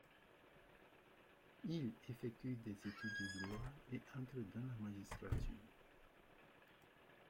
Il effectue des études de droit et entre dans la magistrature.